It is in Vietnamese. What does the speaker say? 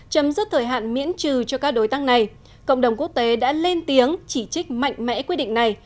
chấm dứt thời hạn miễn trừ cho các đối tác này cộng đồng quốc tế đã lên tiếng chỉ trích mạnh mẽ quyết định này